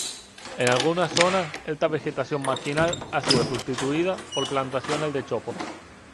En algunas zonas esta vegetación marginal ha sido substituida por plantaciones de chopos.